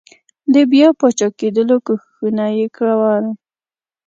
د بیا پاچاکېدلو کوښښونه یې کول.